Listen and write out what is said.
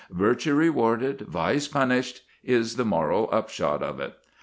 Virtue rewarded, vice punished, is the moral upshot of it.